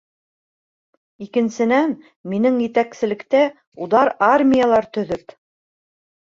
ИКЕНСЕНӘН, МИНЕҢ ЕТӘКСЕЛЕКТӘ УДАР АРМИЯЛАР ТӨҘӨП.